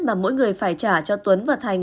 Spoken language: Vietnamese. mà mỗi người phải trả cho tuấn và thành